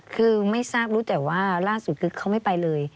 คือไม่ทราบรู้แต่ว่าล่าสุดคือเขาไม่ไปเลย